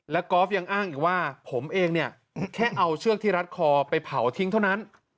แล้วกอล์ฟยังอ้างอีกว่าผมเองเนี่ยแค่เอาเชือกที่รัดคอไปเผาทิ้งเท่านั้น